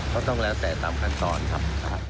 ก็ต้องแล้วแต่ตามขั้นตอนครับ